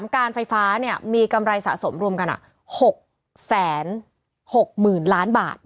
การไฟฟ้ามีกำไรสะสมรวมกัน๖๖๐๐๐ล้านบาท